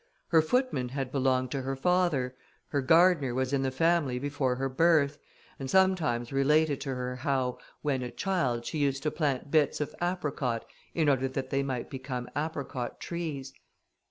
Her footman had belonged to her father, her gardener was in the family before her birth, and sometimes related to her how, when a child, she used to plant bits of apricot, in order that they might become apricot trees.